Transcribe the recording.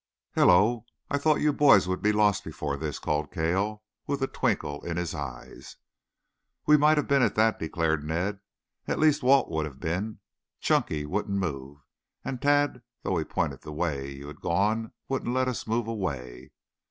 "Hello! I thought you boys would be lost before this," called Cale, with a twinkle in his eyes. "We might have been, at that," declared Ned. "At least Walt would have been. Chunky wouldn't move and Tad, though he pointed the way you had gone, wouldn't let us move away.